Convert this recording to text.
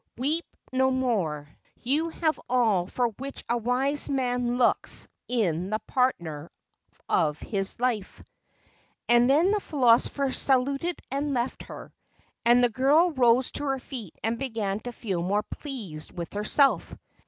Weep no more. You have all for which a wise man looks in the partner of his life." And then the philosopher saluted and left her; and the girl rose to her feet and began to feel more pleased with herself.